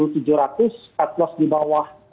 cut loss di bawah